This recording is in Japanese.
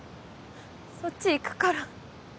そっち行くから。